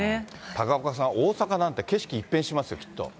高岡さん、大阪なんて、景色一変しますよ、きっと。